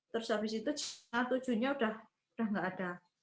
terus habis itu tujuh nya udah nggak ada